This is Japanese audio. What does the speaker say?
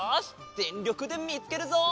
ぜんりょくでみつけるぞ！